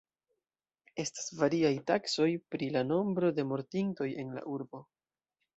Estas variaj taksoj pri la nombro de mortintoj en la urbo.